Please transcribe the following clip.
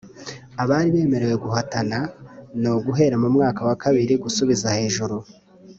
abari bemerewe guhatana ni uguhera mu mwaka wa kabiri gusubiza hejuru